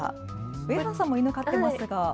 上原さんも犬を飼っていますが？